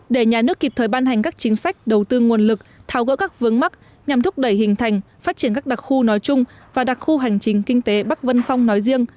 để nhà nước kịp thời ban hành các chính sách đầu tư nguồn lực tháo gỡ các vướng mắc nhằm thúc đẩy hình thành phát triển các đặc khu nói chung và đặc khu hành trình kinh tế bắc vân phong nói riêng